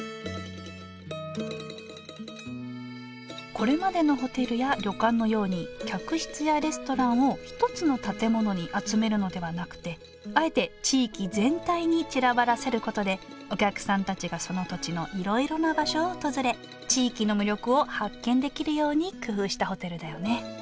これまでのホテルや旅館のように客室やレストランを一つの建物に集めるのではなくてあえて地域全体に散らばらせることでお客さんたちがその土地のいろいろな場所を訪れ地域の魅力を発見できるように工夫したホテルだよね